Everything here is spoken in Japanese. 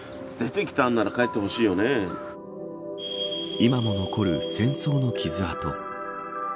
今も残る戦争の傷痕。